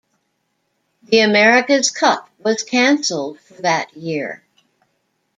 The America's Cup was cancelled for that year.